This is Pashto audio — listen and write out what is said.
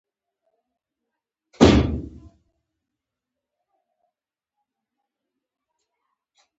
تودوخه د افغان ځوانانو لپاره دلچسپي لري.